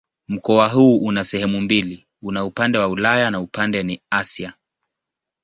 Mkoa huu una sehemu mbili: una upande wa Ulaya na upande ni Asia.